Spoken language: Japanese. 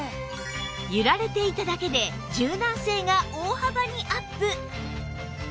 揺られていただけで柔軟性が大幅にアップ！